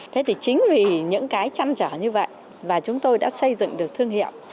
thế thì chính vì những cái trăn trở như vậy và chúng tôi đã xây dựng được thương hiệu